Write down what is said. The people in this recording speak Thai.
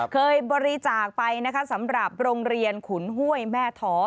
เคยบริจาคไปนะคะสำหรับโรงเรียนขุนห้วยแม่ท้อ